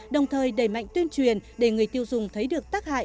đồng thời đẩy mạnh tuyên truyền để người tiêu dùng thấy được tác hại